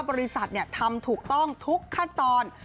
บริษัททำถูกต้องทุกขั้นตอน